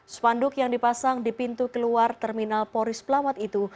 sepanduk yang dipasang di pintu keluar terminal polris pelawat itu